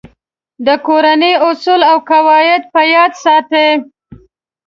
د کورنۍ اصول او قواعد په یاد ساتئ.